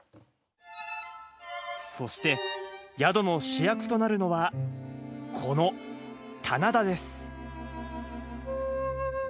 そして、宿の主役となるのは、この棚田です。